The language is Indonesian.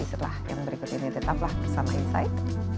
dan setelah yang berikut ini tetaplah bersama insight